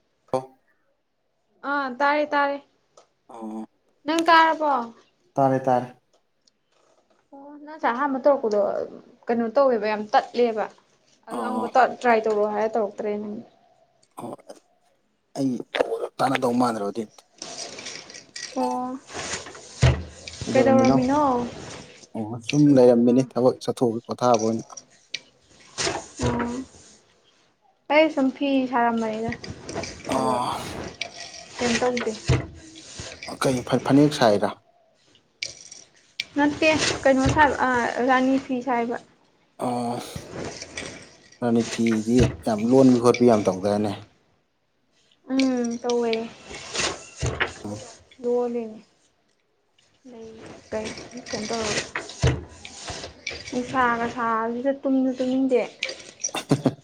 [unintelligible] ꯑꯥ ꯇꯥꯏꯌꯦ ꯇꯥꯏꯌꯦ ꯑꯣ ꯅꯪ ꯇꯥꯔꯕꯣ ꯇꯥꯔꯦ ꯇꯥꯔꯦ ꯑꯣ ꯅꯪ ꯉꯁꯥꯏ ꯑꯍꯥꯟꯕ ꯇꯧꯔꯛꯄꯗꯣ ꯑꯥ ꯀꯩꯅꯣ ꯇꯧꯋꯦꯕ ꯌꯥꯝ ꯇꯠꯂꯦꯕ ꯑꯗꯨ ꯑꯣ ꯑꯃꯨꯛꯀ ꯇꯧ ꯇ꯭ꯔꯥꯏ ꯇꯧꯔꯛꯑꯣ ꯍꯥꯏꯔ ꯇꯧꯔꯛꯇ꯭ꯔꯦ ꯅꯪ [unintelligible] ꯇꯅꯗꯧ ꯃꯥꯟꯗ꯭ꯔꯦꯕ ꯑꯗꯨꯏ ꯑꯣ ꯀꯩꯗꯧꯔꯝꯃꯤꯅꯣ ꯑꯣ ꯁꯨꯝ ꯂꯩꯔꯝꯃꯤꯅꯦ ꯎꯝ ꯊꯕꯛ ꯆꯠꯊꯣꯛꯎꯏ ꯄꯣꯊꯥꯕ ꯑꯣꯏꯅ ꯎꯝ ꯑꯩ ꯁꯨꯝ ꯐꯤ ꯁꯥꯔꯝꯕꯅꯤꯗ ꯑꯗꯣ ꯀꯦꯝ ꯇꯧꯗꯦ ꯑꯥ ꯀꯩ ꯐ ꯐꯅꯦꯛ ꯁꯥꯏꯔꯥ ꯅꯠꯇꯦ ꯀꯩꯅꯣ ꯁꯥꯏꯕ ꯑꯥ ꯔꯥꯅꯤ ꯐꯤ ꯁꯥꯏꯕ ꯑꯣ ꯔꯥꯅꯤ ꯐꯤꯗꯤ ꯌꯥꯝ ꯂꯣꯟꯕꯤ ꯈꯣꯠꯄꯤ ꯌꯥꯝ ꯇꯧꯗꯥꯏꯅꯦ ꯎꯝ ꯇꯧꯋꯦ [inaudible] ꯗꯣꯜꯂꯤꯅꯤ [unintelligible] ꯍꯣꯏ ꯅꯨꯡꯁꯥꯒ ꯁꯥꯕꯁꯤꯗ ꯇꯨꯝꯁꯨ ꯇꯨꯝꯅꯤꯡꯗꯦ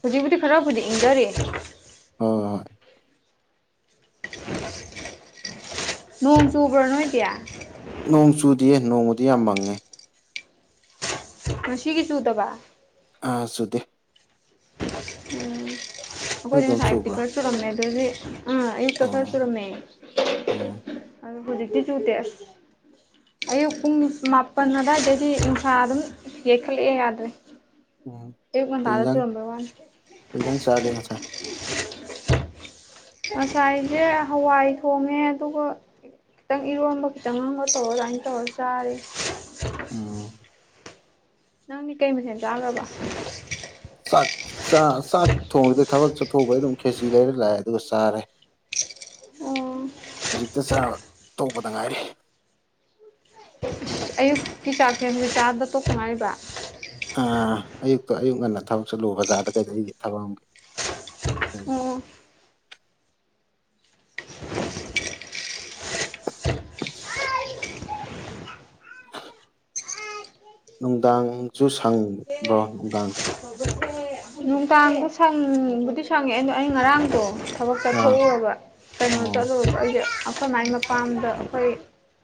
ꯍꯧꯖꯤꯛꯄꯨꯗꯤ ꯈꯔꯕꯨꯗꯤ ꯏꯪꯗꯔꯛꯑꯦ ꯍꯣꯏ ꯅꯣꯡ ꯆꯨꯕ꯭ꯔꯣ ꯅꯣꯏꯗꯤ ꯅꯣꯡ ꯆꯨꯗꯤꯌꯦ ꯅꯣꯡꯕꯨꯗꯤ ꯌꯥꯝ ꯃꯪꯉꯦ ꯉꯁꯤꯒꯤ ꯆꯨꯗꯕ ꯑꯥ ꯆꯨꯗꯦ ꯎꯝ ꯅꯣꯏ ꯑꯩꯈꯣꯢꯗꯤ ꯑꯗꯣꯝ ꯉꯁꯥꯢ ꯑꯌꯨꯛꯇꯤ ꯆꯨꯕ꯭ꯔꯣ ꯈꯔ ꯆꯨꯔꯝꯃꯦ ꯑꯗꯨꯗꯩꯗꯤ ꯑꯥ ꯑꯌꯨꯛꯇ ꯑꯣ ꯈꯔ ꯆꯨꯔꯝꯃꯦ ꯑꯣ ꯑꯗꯣ ꯍꯧꯖꯤꯛꯇꯤ ꯆꯨꯗꯦ ꯑꯁ ꯑꯌꯨꯛ ꯄꯨꯡ ꯃꯥꯄꯜ ꯑꯗ꯭ꯋꯥꯏꯗꯩꯗꯤ ꯅꯨꯡꯁꯥ ꯑꯗꯨꯝ ꯌꯩꯈꯠꯂꯛꯑꯦ ꯌꯥꯗ꯭ꯔꯦ ꯎꯝ ꯑꯌꯨꯛ ꯀꯩ ꯉꯟꯇꯥꯗ ꯏꯟꯖꯥꯡ ꯆꯨꯔꯝꯕꯩ ꯋꯥꯅꯦ ꯀꯩ ꯢꯟꯖꯥꯡ ꯆꯥꯒꯦ ꯉꯁꯥꯢ ꯉꯁꯥꯏꯖꯦ ꯍꯋꯥꯏ ꯊꯣꯡꯉꯦ ꯑꯗꯨꯒ ꯈꯤꯇꯪ ꯏꯔꯣꯟꯕ ꯈꯤꯇꯪ ꯑꯝꯒ ꯇꯧꯔ ꯑꯗꯥꯢꯟ ꯇꯧꯔ ꯆꯥꯔꯦ ꯎꯝ ꯅꯪꯗꯤ ꯀꯩ ꯃꯊꯦꯟ ꯆꯥꯒ꯭ꯔꯕ ꯆꯥꯛ ꯆ ꯆꯥꯛ ꯊꯣꯡꯗꯦ ꯊꯕꯛ ꯆꯠꯊꯣꯛꯎꯕꯩ ꯑꯗꯨꯝ ꯈꯦꯆꯤ ꯂꯩꯔ ꯂꯥꯛꯑꯦ ꯑꯗꯨꯒ ꯆꯥꯔꯦ [inaudible] ꯍꯨꯖꯤꯛꯇ ꯆꯥꯕ ꯇꯣꯛꯄꯗ ꯉꯥꯏꯔꯤ ꯑꯌꯨꯛꯀꯤ ꯆꯥꯛꯁꯦ ꯍꯨꯖꯤꯛ ꯆꯥꯕꯗ ꯇꯣꯛꯇ ꯉꯥꯏꯔꯤꯕ ꯑꯥ ꯑꯌꯨꯛ ꯇꯣꯑꯦ ꯑꯌꯨꯛ ꯉꯟꯅ ꯊꯕꯛ ꯆꯠꯂꯨ ꯕꯖꯥꯔꯗ ꯀꯩꯗ ꯑꯩꯒꯤ ꯊꯕꯛ ꯑꯝꯒꯤ ꯎꯝ ꯑꯣ [inaudible] ꯅꯨꯡꯗꯥꯡꯁꯨ ꯁꯪꯕ꯭ꯔꯣ ꯅꯨꯡꯗꯥꯡꯗꯤ ꯅꯨꯡꯗꯥꯡꯗꯣ ꯁꯪꯕꯨꯗꯤ ꯁꯪꯉꯦ ꯑꯩ ꯉꯔꯥꯡꯗꯣ ꯊꯕꯛ ꯑꯥ ꯆꯠꯊꯣꯛꯎꯔꯕ ꯀꯩꯅꯣ ꯑꯣ ꯆꯠꯂꯨꯔꯕ ꯑꯩꯁꯦ ꯑꯈꯣꯢ ꯃꯥꯢ ꯃꯄꯥꯥꯝꯗ ꯑꯈꯣꯏ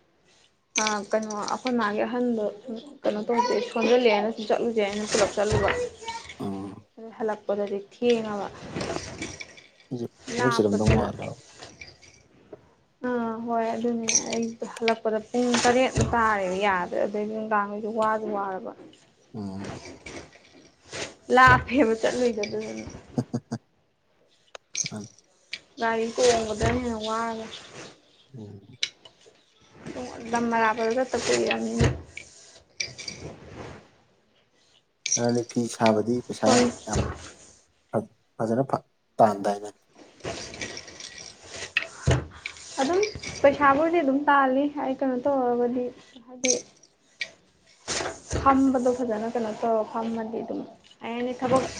[inaudible] ꯑꯥ ꯀꯩꯅꯣ ꯑꯩꯈꯣꯏ ꯃꯥꯒꯤ ꯑꯍꯟꯗꯣ ꯁꯨꯝ ꯀꯩꯅꯣ ꯇꯧꯗꯦ ꯁꯣꯟꯖꯜꯂꯦꯅ ꯁꯨꯝ ꯆꯠꯂꯨꯁꯦꯅ ꯄꯨꯂꯞ ꯆꯠꯂꯨꯕ ꯑꯣ ꯍꯜꯂꯛꯄꯗꯗꯤ ꯊꯦꯡꯉꯕ ꯑꯩꯁꯨ ꯊꯕꯛ ꯆꯤꯜꯂꯝꯗꯧ ꯂꯥꯞꯄꯗꯨꯗ ꯃꯥꯜꯂꯦ ꯑꯥ ꯍꯣꯏ ꯑꯗꯨꯅꯦ ꯑꯩ ꯍꯜꯂꯛꯄꯗ ꯄꯨꯡ ꯇꯔꯦꯠ ꯃꯨꯛ ꯇꯥꯔꯦꯕ ꯌꯥꯗ꯭ꯔꯦ ꯑꯗꯩ ꯅꯨꯡꯗꯥꯡꯗ ꯋꯥꯖꯨ ꯋꯥꯔꯕ ꯎꯝ ꯂꯥꯞꯄꯦꯕ ꯆꯠꯂꯨꯢꯗꯣ ꯑꯗꯨꯗꯨꯅ [unintelligible] ꯒꯥꯔꯤ ꯇꯣꯡꯕꯗꯅ ꯍꯦꯟ ꯋꯥꯒ꯭ꯔꯦ ꯎꯝ ꯂꯝ ꯑꯔꯥꯞꯄꯗ ꯆꯠꯇ ꯀꯨꯢꯔꯕꯅꯤꯅ ꯑꯔꯗꯤ ꯐꯤ ꯁꯥꯕꯗꯤ ꯄꯩꯁꯥ ꯁꯣꯝ ꯌꯥꯝ ꯑ ꯐꯖꯟꯅ ꯐꯪ ꯇꯥꯟꯗꯥꯏꯅꯦ ꯑꯗꯨꯝ ꯄꯩꯁꯥꯕꯨꯗꯤ ꯑꯗꯨꯝ ꯇꯥꯜꯂꯤ ꯍꯥꯏ ꯀꯩꯅꯣ ꯇꯧꯔꯒꯗꯤ ꯍꯥꯏꯗꯤ ꯐꯝꯕꯗꯣ ꯐꯖꯟꯅ ꯀꯩꯅꯣ ꯇꯧꯔ ꯐꯝꯃꯗꯤ ꯑꯗꯨꯝ ꯑꯩꯅ ꯊꯕꯛ ꯎꯝ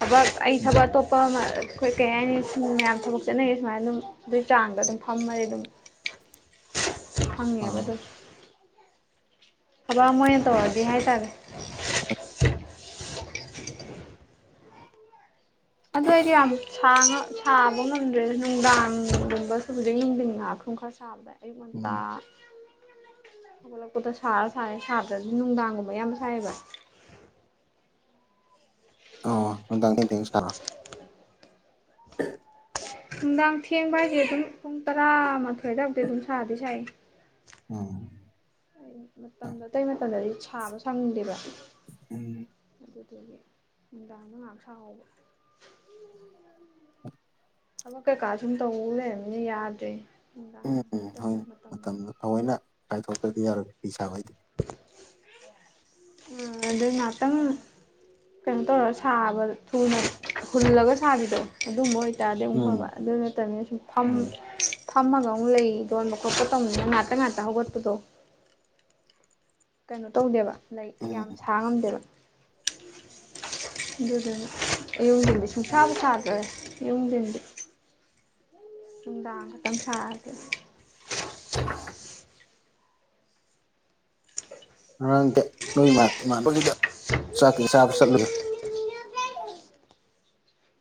ꯊꯕꯛ ꯑꯩ ꯎꯝ ꯊꯕꯛ ꯑꯇꯣꯞꯄ ꯑꯃ ꯑꯩꯈꯣꯏ ꯀꯩ ꯍꯥꯏꯅꯤ ꯃꯌꯥꯝ ꯊꯕꯛ ꯆꯠꯅꯔꯤ ꯁꯨꯃꯥꯏꯅ ꯑꯗꯨꯝ ꯑꯗꯨꯏ ꯆꯥꯡꯗ ꯑꯗꯨꯝ ꯐꯝꯃꯗꯤ ꯑꯗꯨꯝ ꯐꯪꯉꯦꯕ ꯑꯥ ꯑꯗꯨꯝ ꯊꯕꯛ ꯑꯃ ꯑꯣꯢꯅ ꯇꯧꯔꯗꯤ ꯍꯥꯢꯇꯥꯔꯦ ꯑꯗꯣ ꯑꯩꯗꯤ ꯌꯥꯝ ꯁꯥꯡꯉ ꯁꯥꯕ ꯉꯝꯗ꯭ꯔꯦꯗ ꯅꯨꯡꯗꯥꯡ ꯒꯨꯝꯕ ꯁꯨꯝ ꯑꯌꯨꯛ ꯅꯨꯡꯗꯤꯟ ꯉꯍꯥꯛ ꯁꯨꯝ ꯁꯥꯕꯗꯩ ꯑꯌꯨꯛ ꯉꯟꯇ ꯎꯝ ꯍꯧꯒꯠꯂꯛꯄꯗ ꯁꯥꯔ ꯁꯥꯔꯦ ꯁꯥꯗ꯭ꯔꯖꯨ ꯅꯨꯡꯗꯥꯡꯒꯨꯝꯕ ꯌꯥꯝ ꯁꯥꯏꯌꯦꯕ [inaudible] ꯑꯣ ꯅꯨꯡꯗꯥꯡ ꯊꯦꯡ ꯊꯦꯡꯅ ꯁꯥꯅ ꯅꯨꯡꯗꯥꯡ ꯊꯦꯡꯕ ꯍꯥꯏꯁꯦ ꯑꯗꯨꯝ ꯄꯨꯡ ꯇꯔꯥꯃꯥꯊꯣꯏ ꯑꯗ꯭ꯋꯥꯢ ꯕꯧꯗꯤ ꯑꯗꯨꯝ ꯁꯥꯗꯤ ꯁꯥꯏ ꯑꯣ ꯃꯇꯝꯗꯣ ꯑꯇꯩ ꯃꯇꯝꯗꯗꯤ ꯁꯥꯕ ꯁꯪꯗꯦꯕ ꯎꯝ ꯑꯗꯨꯗꯒꯤ ꯅꯨꯡꯗꯥꯡꯗ ꯉꯍꯥꯛ ꯁꯥꯍꯧꯕ ꯊꯕꯛ ꯀꯩꯀꯥ ꯁꯨꯝ ꯇꯧ ꯂꯩꯔꯝꯅꯤꯅ ꯌꯥꯗ꯭ꯔꯦ ꯅꯨꯡꯗꯥꯡ ꯎꯝ ꯎꯝ ꯍꯧ ꯅꯠꯇ꯭ꯔꯗꯤ ꯃꯇꯝ ꯃꯇꯝꯗꯣ ꯊꯑꯣꯏꯅ ꯀꯥꯏꯊꯣꯛꯇ꯭ꯔꯗꯤ ꯌꯥꯔꯣꯏ ꯐꯤ ꯁꯥꯕꯩꯗꯤ ꯎꯝ ꯑꯗꯨꯅ ꯉꯥꯛꯇꯪ ꯀꯩꯅꯣ ꯇꯧꯔꯒ ꯁꯥꯕ ꯊꯨꯅ ꯍꯨꯜꯂꯒ ꯁꯥꯕꯤꯗꯣ ꯑꯗꯨꯝꯕ ꯑꯣꯏ ꯇꯥꯔꯗꯤ ꯑꯃꯨꯛ ꯎꯝ ꯐꯕ ꯑꯗꯨ ꯅꯠꯇꯝꯅꯤꯅ ꯁꯨꯝ ꯐꯝ ꯍꯣꯏ ꯐꯝꯃꯒ ꯑꯃꯨꯛ ꯂꯩ ꯂꯣꯟꯕ ꯈꯣꯠꯄ ꯇꯧꯅꯤꯅ ꯉꯥꯛꯇ ꯉꯥꯛꯇ ꯍꯧꯒꯠꯄꯗꯣ ꯀꯩꯅꯣ ꯇꯧꯗꯦꯕ ꯂꯩ ꯎꯝ ꯌꯥꯝ ꯁꯥ ꯉꯝꯗꯦꯕ ꯑꯗꯨꯗꯨꯅ ꯑꯌꯨꯛ ꯅꯨꯡꯊꯤꯟꯗꯤ ꯎꯝ ꯁꯨꯡꯁꯥꯕꯨ ꯁꯥꯗ꯭ꯔꯦ ꯑꯌꯨꯛ ꯅꯨꯡꯊꯤꯟꯗꯤ ꯅꯨꯡꯗꯥꯡ ꯈꯛꯇꯪ ꯁꯥꯔ ꯇꯣꯛ ꯑꯦ ꯉꯔꯥꯡꯗꯤ ꯅꯣꯏꯃ ꯏꯃꯥꯟꯅꯕꯒꯤꯗ ꯆꯥꯛꯀꯩ ꯆꯥꯕ ꯆꯠꯂꯨꯏ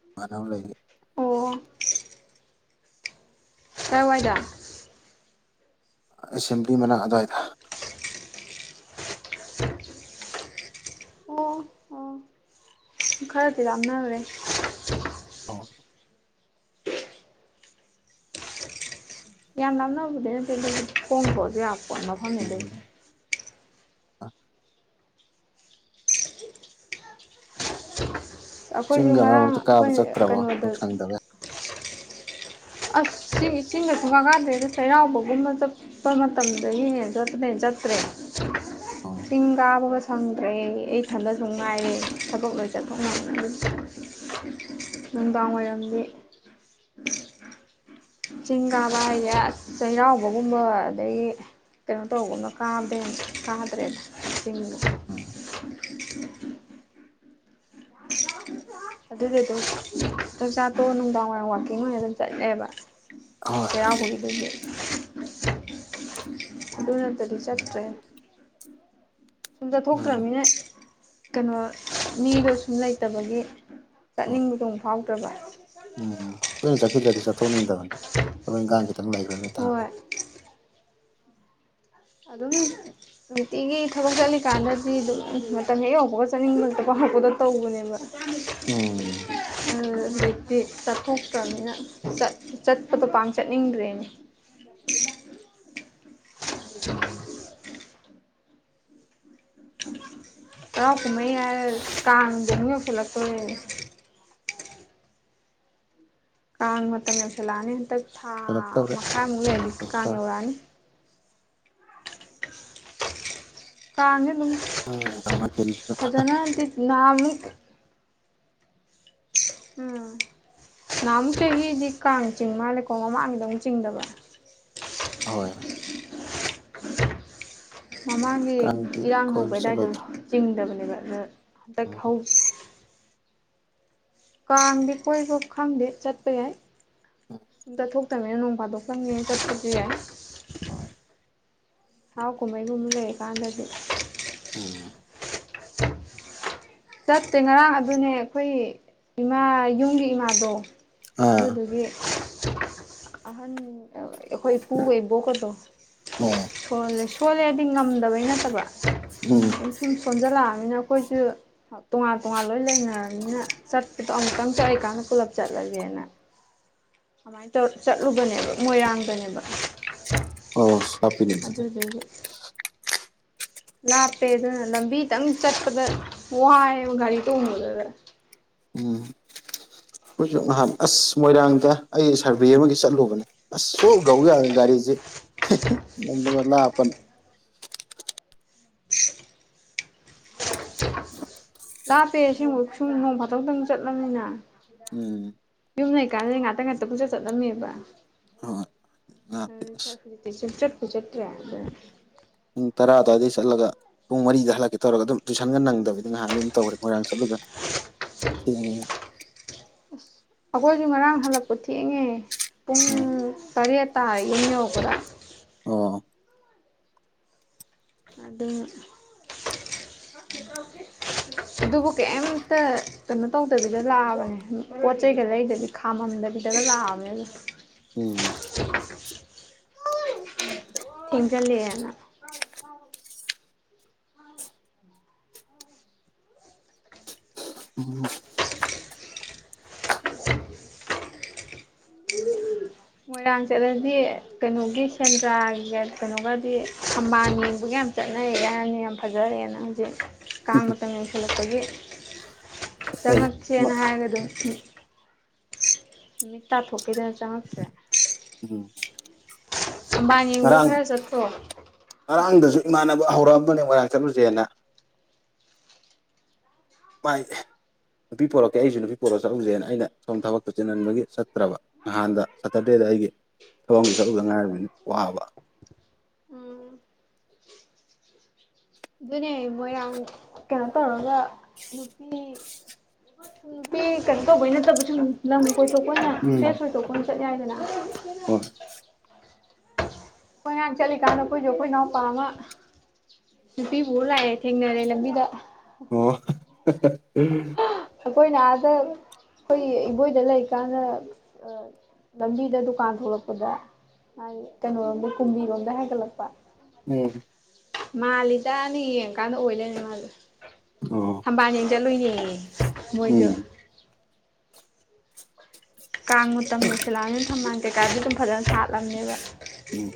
ꯏꯃꯥꯟꯅꯕ ꯂꯩꯌꯦ ꯑꯣ ꯀꯥꯏ ꯋꯥꯏꯗ ꯑꯦꯁꯦꯝꯕ꯭ꯂꯤ ꯃꯅꯥꯛ ꯑꯗꯨ꯭ꯋꯥꯏꯗ ꯑꯣ ꯑꯣ ꯈꯔꯗꯤ ꯂꯝꯅꯒꯔꯦ ꯑꯥ ꯌꯥꯝ ꯂꯞꯅꯕꯨꯗꯤ ꯅꯠꯇꯦ ꯑꯗꯨꯕꯨꯗꯤ ꯈꯣꯡ ꯊꯣꯛꯂꯁꯨ ꯌꯥꯕ ꯃꯐꯝꯅꯤ ꯎꯝ [inaudible] ꯑꯩꯈꯣꯏꯁꯨ ꯆꯤꯡꯒ ꯃꯔꯛ ꯉꯔꯥꯡ ꯃꯔꯛꯇ ꯀꯥꯕ ꯑꯩꯈꯣꯏ ꯆꯠꯇ꯭ꯔꯕꯣ ꯀꯩꯅꯣꯗ ꯊꯕꯛ ꯁꯪꯗꯕꯦ ꯑꯁ ꯆꯤꯡ ꯆꯤꯡꯒ ꯁꯨꯡꯀꯥ ꯀꯥꯗ꯭ꯔꯦꯗ ꯆꯩꯔꯥꯎꯕꯒꯨꯝꯕ ꯆꯠꯄ ꯃꯇꯝꯗꯒꯤ ꯍꯦꯟ ꯆꯠꯇꯅ ꯆꯠ ꯆꯠꯇ꯭ꯔꯦ ꯑꯣ ꯆꯤꯡ ꯀꯥꯕꯒ ꯁꯪꯗ꯭ꯔꯦ ꯑꯩ ꯊꯟꯗꯁꯨ ꯉꯥꯏꯔꯦ ꯊꯕꯛ ꯂꯣꯏ ꯆꯠꯊꯣꯛꯅ ꯅꯨꯡꯗꯥꯡ ꯋꯥꯏꯔꯗꯤ ꯆꯤꯡ ꯀꯥꯕ ꯍꯥꯏꯁꯦ ꯆꯩꯔꯥꯎꯕꯒꯨꯝꯕ ꯑꯗꯩꯒꯤ ꯀꯩꯅꯣ ꯇꯧꯒꯨꯝꯅ ꯀꯥꯕꯗꯒꯤ ꯍꯦꯟ ꯀꯥꯗ꯭ꯔꯦꯗ ꯆꯤꯡꯒ [inaudible] ꯎꯝ ꯑꯗꯨꯗꯤ ꯑꯗꯨꯝ ꯆꯥꯛ ꯆꯥꯇꯣ ꯅꯨꯡꯗꯥꯡ ꯋꯥꯏꯔꯝ ꯋꯥꯋꯥꯛꯀꯤꯡ ꯑꯣꯏꯅ ꯑꯗꯨꯝ ꯆꯠꯂꯦꯕ ꯍꯣꯏ ꯆꯩꯔꯥꯎꯕꯒꯤ ꯗꯨꯒꯤ ꯑꯗꯨ ꯅꯠꯇ꯭ꯔꯗꯤ ꯎꯝ ꯆꯠꯇ꯭ꯔꯦ ꯁꯨꯝ ꯃꯥꯅꯤ ꯆꯠꯊꯣꯛꯇ꯭ꯔꯅꯤꯅ ꯀꯩꯅꯣ ꯃꯤꯗꯣ ꯁꯨꯝ ꯂꯩꯇꯕꯒꯤ ꯑꯣ ꯆꯠꯅꯤꯡꯕꯗꯣ ꯃꯨꯛ ꯐꯥꯎꯗ꯭ꯔꯕ ꯎꯝ ꯇꯣꯏꯅ ꯆꯠꯈꯤꯗ꯭ꯔꯗꯤ ꯆꯠꯊꯣꯛꯅꯤꯡꯗꯕꯅꯤ ꯊꯕꯛ ꯏꯟꯈꯥꯡ ꯈꯤꯇꯪ ꯂꯩꯈ꯭ꯔꯒ ꯍꯣꯏ ꯇꯥꯔꯗꯤ ꯑꯗꯨꯝ ꯅꯨꯡꯇꯤꯒꯤ ꯊꯕꯛ ꯆꯠꯂꯤꯀꯥꯟꯗꯗꯤ ꯑꯗꯨꯝ ꯃꯇꯝ ꯍꯦꯛ ꯌꯧꯕꯒ ꯆꯠꯅꯤꯡꯕꯠꯇꯀꯣ ꯄꯨꯗ ꯇꯧꯕꯅꯦꯕ ꯎꯝ ꯍꯧꯖꯤꯛꯇꯤ ꯆꯠꯊꯣꯛꯇ꯭ꯔꯕꯅꯤꯅ ꯆꯠ ꯆꯠꯄꯗꯣ ꯄꯥꯛ ꯆꯠꯅꯤꯡꯗ꯭ꯔꯦꯅꯦ [inaudible] ꯎꯝ ꯍꯔꯥꯎ ꯀꯨꯝ ꯍꯩ ꯍꯥꯏꯔ ꯀꯥꯡꯒꯨꯝꯕ ꯌꯧꯁꯤꯜꯂꯛꯀꯗꯧꯔꯦ ꯀꯥꯡ ꯃꯇꯝ ꯌꯧꯁꯤꯜꯂꯛꯑꯅꯤ ꯍꯟꯇꯛ ꯊꯥ ꯁꯨꯔꯛꯇꯧꯔꯦ ꯃꯈꯥꯏ ꯑꯃꯨꯛ ꯑꯥ ꯂꯤꯔꯗꯤ ꯀꯥꯡ ꯁꯨꯔꯛꯇꯧꯔꯦ ꯌꯧꯔꯛꯑꯅꯤ ꯀꯥꯡꯖꯦ ꯎꯝ ꯇꯧꯅꯈꯤꯁꯅꯨ ꯐꯖꯅꯗꯤ ꯅꯍꯥꯟ ꯃꯨꯛ ꯎꯝ ꯅꯍꯥꯃꯨꯛ ꯆꯈꯤꯗꯤ ꯀꯥꯡ ꯆꯤꯡ ꯃꯥꯜꯂꯦꯀꯣ ꯃꯃꯥꯡꯒꯤꯗ ꯑꯃꯨꯛ ꯆꯤꯡꯗꯕ ꯍꯣꯏ ꯃꯃꯥꯡꯒꯤ ꯀꯥꯡꯗꯤ ꯏꯔꯥꯡ ꯍꯧꯕ ꯀꯣꯏꯕ ꯑꯗꯨꯋꯥꯏꯗꯣ ꯆꯠꯂꯣꯏꯗ꯭ꯔꯣ ꯆꯤꯡꯗꯕꯅꯦꯕ ꯑꯗꯣ ꯍꯟꯗꯛ ꯎꯝ ꯍꯧ [inaudible] ꯀꯥꯡꯗꯤ ꯀꯣꯏꯕ ꯈꯪꯗꯦ ꯆꯠꯄ ꯌꯥꯏ ꯎꯝ ꯆꯠꯇꯃꯦꯅ ꯅꯣꯡ ꯐꯥꯗꯣꯛꯇꯪꯒꯤ ꯆꯠꯄꯗꯤ ꯌꯥꯏ ꯍꯣꯏ ꯍꯔꯥꯎ ꯀꯨꯝꯍꯩꯒꯨꯝꯕ ꯂꯩꯔꯥ ꯀꯥꯟꯗꯗꯤ ꯑꯥꯝ ꯆꯠꯇꯦ ꯉꯔꯥꯡ ꯑꯗꯨꯅꯦ ꯑꯩꯈꯣꯏ ꯏꯃꯥ ꯌꯨꯝꯒꯤ ꯏꯃꯥꯗꯣ ꯑꯥ ꯑꯗꯨꯗꯨꯒꯤ ꯑꯍꯟ ꯑꯩꯈꯣꯏ ꯏꯄꯨꯒ ꯏꯕꯣꯛꯀꯗꯣ ꯑꯣ ꯁꯣꯜꯂꯦ ꯁꯣꯜꯂꯦꯗꯤ ꯉꯝꯗꯕꯩ ꯅꯠꯇꯕ ꯎꯝ ꯁꯨꯝ ꯁꯨꯝ ꯁꯣꯟꯖꯜꯂꯛꯑꯝꯃꯤꯅ ꯑꯩꯈꯣꯏꯁꯨ ꯇꯣꯉꯥꯟ ꯇꯣꯉꯥꯟ ꯂꯣꯏ ꯂꯩꯅꯔꯕꯅꯤꯅ ꯆꯠꯄꯗꯣ ꯑꯃꯨꯛꯇꯪ ꯆꯠꯂꯂꯤꯀꯥꯟꯗ ꯄꯨꯂꯞ ꯆꯠꯂꯁꯦꯅ ꯑꯗꯨꯃꯥꯏꯅ ꯇꯧꯔ ꯆꯠꯂꯨꯕꯅꯦꯕ ꯃꯣꯏꯔꯥꯡꯗꯅꯦꯕ ꯑꯣ ꯍꯥꯞꯄꯤꯅꯦ ꯑꯗꯨꯗꯤ ꯑꯗꯨꯗꯨꯒꯤ ꯂꯥꯞꯄꯦ ꯑꯗꯨꯅ ꯂꯝꯕꯤꯇꯪ ꯆꯠꯄꯗ ꯋꯥꯏꯌꯦꯕ ꯒꯥꯔꯤ ꯇꯣꯡꯕꯗꯗ [inaudible] ꯑꯩꯈꯤꯏꯁꯨ ꯅꯍꯥꯟ ꯑꯁ ꯃꯣꯏꯔꯥꯡꯗ ꯑꯩ ꯁꯥꯔꯚꯦ ꯑꯃꯒꯤ ꯆꯠꯂꯨꯕꯅꯦ ꯑꯁ ꯁꯨꯡꯌꯧꯌꯧ ꯌꯗꯗꯅ ꯒꯥꯔꯤꯁꯤ ꯍꯦ ꯍꯦ ꯂꯝꯅꯒ ꯂꯞꯄꯅꯦ ꯂꯥꯞꯄꯦ ꯑꯁꯦꯡꯕꯩ ꯁꯨꯝ ꯅꯣꯡ ꯐꯥꯗꯣꯛꯇꯪ ꯆꯠꯂꯝꯅꯤꯅ ꯎꯝ ꯌꯨꯝꯗꯩ ꯀꯅꯗ ꯉꯥꯛꯇ ꯉꯥꯛꯇ ꯄꯨꯨꯡꯆꯠ ꯆꯠꯂꯝꯃꯦꯕ ꯍꯣꯏ ꯂꯥꯞꯄꯦ ꯑꯁ ꯍꯧꯖꯤꯛꯇꯤ ꯁꯨꯡꯆꯠ ꯆꯠꯇ꯭ꯔꯦ [unintelligible] ꯄꯨꯡ ꯇꯔꯥ ꯑꯗꯨꯋꯥꯗꯩ ꯆꯠꯂꯒ ꯄꯨꯡ ꯃꯔꯤꯗ ꯍꯜꯂꯛꯀꯦ ꯇꯧꯔꯒ ꯑꯗꯨꯝ ꯇꯨꯏꯁꯟꯒ ꯅꯪꯗꯕꯤꯗ ꯅꯍꯥꯟꯗꯤ ꯑꯗꯨꯝ ꯇꯧꯔꯦ ꯃꯣꯏꯔꯥꯡ ꯆꯠꯂꯨꯗꯅ [inaudible] ꯊꯦꯡꯉꯦ ꯑꯩꯈꯣꯏꯁꯨ ꯉꯔꯥꯡ ꯍꯜꯂꯛꯄ ꯊꯦꯡꯉꯦ ꯄꯨꯡ ꯇꯔꯦꯠ ꯇꯥꯏ ꯌꯨꯝ ꯌꯧꯔꯛꯄꯗ ꯑꯣ ꯑꯗꯨꯅ ꯑꯗꯨꯕꯨ ꯀꯩꯝꯇ ꯀꯩꯅꯣ ꯇꯧꯗꯕꯤꯗ ꯂꯥꯛꯑꯕꯅꯦ ꯄꯣꯠ ꯆꯩꯩꯒ ꯂꯩꯗꯕꯤ ꯈꯥꯝ ꯥꯃꯝꯗꯕꯤꯗꯒ ꯂꯥꯛꯑꯝꯅꯦ ꯑꯗꯨꯝ ꯎꯝ ꯊꯦꯡꯖꯤꯜꯂꯛꯑꯦꯅ ꯎꯝ ꯃꯣꯏꯔꯥꯡ ꯆꯠꯂꯗꯤ ꯀꯩꯅꯣꯒꯤ ꯁꯦꯟꯗ꯭ꯔꯥꯒꯤꯒ ꯀꯩꯅꯣꯒꯗꯤ ꯊꯝꯕꯥꯜ ꯌꯦꯡꯕꯒ ꯌꯥꯝ ꯌꯥꯝ ꯆꯠꯅꯔꯦ ꯍꯥꯏꯕꯅꯤ ꯌꯥꯝ ꯐꯖꯔꯦꯅ ꯍꯧꯖꯤꯛ ꯀꯥꯡ ꯃꯇꯝ ꯌꯧꯁꯤꯜꯂꯛꯄꯒꯤ ꯑꯩ ꯆꯪꯉꯛꯁꯦꯅ ꯍꯥꯏꯔꯒꯗꯨꯝ ꯅꯨꯃꯤꯠ ꯇꯥꯊꯣꯛꯈꯤꯗꯅ ꯆꯪꯉꯛꯇ꯭ꯔꯦ ꯎꯝ ꯊꯝꯕꯥꯜ ꯌꯦꯡꯕꯒ ꯉꯔꯥꯡ ꯈꯔ ꯆꯠꯇ꯭ꯔꯣ ꯉꯔꯥꯡꯗꯁꯨ ꯏꯃꯥꯟꯅꯕ ꯍꯧꯔꯛꯑꯝ ꯃꯣꯏꯔꯥꯡ ꯆꯠꯂꯨꯁꯦꯅ ꯄꯥꯏꯗꯦ ꯅꯨꯄꯤ ꯄꯣꯔꯛꯀꯦ ꯑꯩꯁꯨ ꯅꯨꯄꯤ ꯄꯣꯔꯛꯑ ꯆꯠꯂꯨꯁꯦꯅ ꯑꯩꯅ ꯁꯣꯝ ꯊꯕꯛꯇꯣ ꯆꯤꯟꯃꯟꯕꯒꯤ ꯆꯠꯇ꯭ꯔꯕ ꯅꯍꯥꯟ ꯁꯇꯔꯗꯦꯗ ꯑꯩꯒꯤ ꯊꯕꯛ ꯑꯃꯒꯤ ꯆꯠꯂꯨꯗ ꯉꯥꯏꯔꯤꯝꯅꯤꯅ ꯋꯥꯕ ꯎꯝ ꯑꯗꯨꯅꯦ ꯃꯣꯏꯔꯥꯡ ꯀꯩꯅꯣ ꯇꯧꯔꯒ ꯅꯨꯄꯤ ꯅꯨꯄꯤ ꯀꯩꯅꯣ ꯇꯧꯕꯅꯠꯇꯕ ꯁꯨꯝ ꯂꯝ ꯀꯣꯏꯊꯣꯛꯄ ꯑꯣꯏꯅ ꯎꯝ ꯐ꯭ꯔꯦꯁ ꯑꯣꯏꯊꯣꯛꯄ ꯑꯣꯏꯅ ꯆꯠ ꯌꯥꯏꯗꯅ ꯍꯣꯏ ꯑꯩꯈꯣꯏ ꯉꯍꯥꯡ ꯆꯠꯂꯤꯀꯥꯟꯗ ꯑꯩꯈꯣꯏꯁꯨ ꯑꯩꯈꯣꯏ ꯏꯅꯥꯎꯄꯥ ꯑꯃ ꯅꯨꯄꯤ ꯄꯨꯔ ꯂꯥꯛꯑꯦ ꯊꯦꯡꯅꯔꯦ ꯂꯝꯕꯤꯗ ꯑꯣ ꯑꯩꯈꯣꯏꯅ ꯑꯗ ꯑꯩꯈꯣꯏꯒꯤ ꯏꯕꯣꯏꯗ ꯂꯩꯀꯥꯟꯗ ꯂꯝꯕꯤꯗ ꯗꯨꯀꯥꯟ ꯊꯣꯛꯂꯛꯄꯗ ꯍꯥꯏꯗꯤ ꯀꯩꯅꯣꯔꯣꯝꯗ ꯀꯨꯝꯕꯤꯔꯣꯝꯗ ꯍꯥꯏꯒꯠꯂꯛꯄ ꯎꯝ ꯃꯥꯜꯂꯤꯗꯅ ꯌꯦꯡꯉꯨꯔꯀꯟꯗ ꯑꯣꯏ ꯂꯩꯔꯝꯃꯦ ꯃꯥꯅꯖꯨ ꯑꯣ ꯊꯝꯕꯥꯜ ꯌꯦꯡ ꯆꯠꯂꯨꯏꯅꯦꯌꯦ ꯃꯣꯏꯣꯗꯣ ꯎꯝ ꯀꯥꯡ ꯃꯇꯝ ꯌꯧꯁꯜꯂꯛꯑꯕꯅꯤꯅ ꯊꯝꯕꯥꯜ ꯀꯩꯀꯥꯖꯨ ꯑꯗꯨꯝ ꯐꯖꯅ ꯁꯥꯠꯂꯝꯅꯦꯕ ꯎꯝ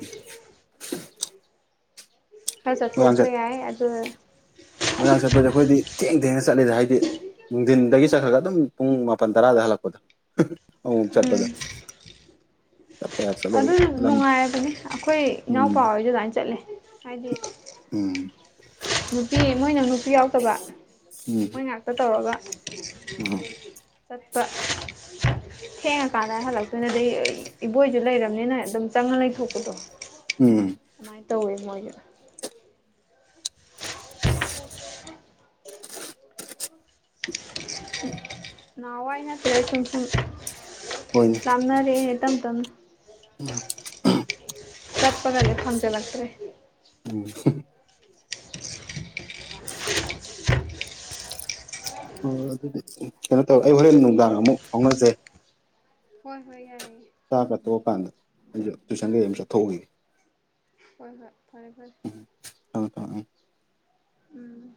ꯈꯔ ꯃꯣꯏꯔꯥꯡ ꯆꯠꯊꯣꯛꯄ ꯆꯠ ꯌꯥꯏ ꯑꯗꯨꯅ ꯃꯣꯏꯔꯥꯡ ꯆꯠꯄꯁꯦ ꯑꯩꯈꯣꯏꯗꯤ ꯊꯦꯡ ꯊꯦꯡꯅ ꯆꯠꯂꯤꯗ ꯍꯥꯏꯗꯤ ꯅꯨꯡꯊꯤꯟꯗꯒꯤ ꯆꯠꯈ꯭ꯔꯒ ꯑꯗꯨꯝ ꯄꯨꯡ ꯃꯥꯄꯜ ꯇꯔꯥꯗ ꯍꯜꯂꯛꯄꯗꯣ ꯑꯃꯨꯛ ꯃꯨꯛ ꯎꯝ ꯆꯠꯄꯗ ꯆꯠꯄ ꯌꯥ ꯑꯗꯨ ꯆꯠꯂꯨꯔꯒ ꯂꯝ ꯅꯨꯡꯉꯥꯏꯔꯕꯅꯦ ꯑꯩꯈꯣꯏ ꯏꯅꯥꯎꯄꯥ ꯍꯣꯏꯁꯨ ꯑꯗꯨꯃꯥꯏꯅ ꯆꯠꯂꯦ ꯍꯥꯏꯗꯤ ꯑꯝ ꯅꯨꯄꯤ ꯃꯣꯏꯅ ꯅꯨꯄꯤ ꯌꯥꯎꯗꯕ ꯎꯝ ꯃꯣꯏ ꯉꯥꯛꯇ ꯇꯧꯔꯒ ꯎꯝ ꯆꯠꯄ ꯊꯦꯡꯉꯀꯥꯟꯗ ꯍꯜꯂꯛꯇꯣꯏꯅꯦ ꯑꯗꯩ ꯏꯕꯣꯏꯁꯨ ꯂꯩꯔꯕꯅꯤꯅ ꯑꯗꯨꯝ ꯆꯪꯉ ꯂꯩꯊꯣꯛꯄꯗꯣ ꯎꯝ ꯑꯃꯥꯏꯅ ꯇꯧꯋꯦ ꯃꯣꯏꯖꯨ ꯅꯍꯋꯥꯏ ꯅꯠꯇ꯭ꯔꯦ ꯁꯨꯝ ꯁꯨꯝ ꯍꯣꯏꯅꯦ ꯂꯥꯞꯅꯔꯛꯑꯦ ꯇꯝ ꯇꯝ ꯄꯒꯁꯦ ꯐꯪꯖꯤꯜꯂꯥꯛꯇ꯭ꯔꯦ ꯎꯝ ꯑꯣ ꯑꯗꯨꯗꯤ ꯀꯩꯅꯣ ꯇꯧꯋꯦ ꯑꯩ ꯍꯣꯔꯦꯟ ꯅꯨꯡꯗꯥꯡ ꯑꯃꯨꯛ ꯐꯥꯎꯅꯖꯦ ꯍꯣꯏ ꯍꯣꯏ ꯌꯥꯏꯌꯦ ꯆꯥꯛ ꯀ ꯇꯣꯛꯑꯀꯥꯟꯗ ꯑꯩꯁꯨ ꯇꯨꯏꯁꯟ ꯀꯩꯒꯩ ꯑꯝ ꯎꯝ ꯆꯠꯊꯣꯛꯎꯒꯤꯒꯦ ꯍꯣꯏ ꯍꯣꯏ ꯐꯔꯦ ꯐꯔꯦ ꯊꯝꯃꯦ ꯊꯝꯃꯦ ꯎꯝ